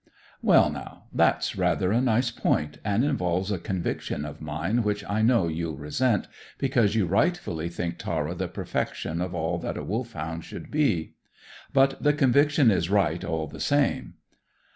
"Well, now, that's rather a nice point, and involves a conviction of mine which I know you'll resent, because you rightly think Tara the perfection of all that a Wolfhound should be. But the conviction is right, all the same.